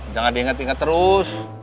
jangan diingat ingat terus